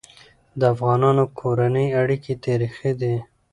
د افغانانو کورنی اړيکي تاریخي دي.